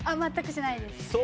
全くしないです。